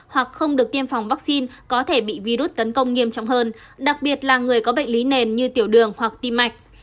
hoặc không được tiêm phòng vaccine có thể bị virus tấn công nghiêm trọng hơn đặc biệt là người có bệnh lý nền như tiểu đường hoặc tim mạch